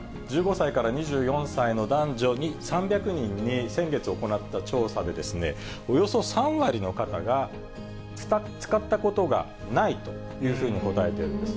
１５歳から２４歳の男女に３００人に先月行った調査で、およそ３割の方が、使ったことがないというふうに答えてるんです。